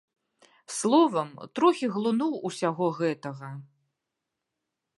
Словам, трохі глынуў усяго гэтага.